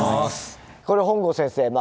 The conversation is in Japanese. これ本郷先生